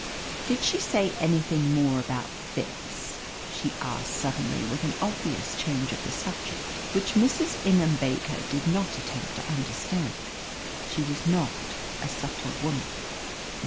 "Did she say anything more about Fitz?" she asked suddenly, with an obvious change of the subject which Mrs. Ingham Baker did not attempt to understand. She was not a subtle woman.